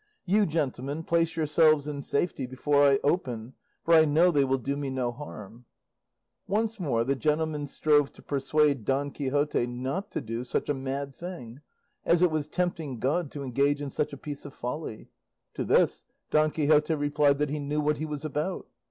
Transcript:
You, gentlemen, place yourselves in safety before I open, for I know they will do me no harm." Once more the gentleman strove to persuade Don Quixote not to do such a mad thing, as it was tempting God to engage in such a piece of folly. To this, Don Quixote replied that he knew what he was about.